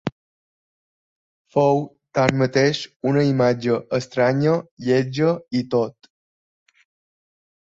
Fou, tanmateix, una imatge estranya, lletja i tot.